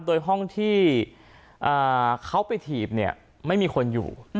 โดยห้องที่เขาไปถีบไม่มีคนอยู่